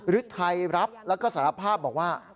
ฤทัยรับแล้วก็สารภาพบอกว่า